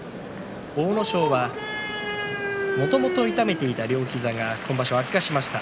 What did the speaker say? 阿武咲は、もともと痛めていた両膝が今場所、悪化しました。